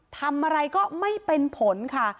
ทำอะไรก็ไม่เป็นผลค่ะ